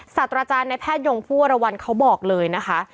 สัตว์อาจารย์ในแพทยงศ์ฟูอรวัณเขาบอกเลยนะคะ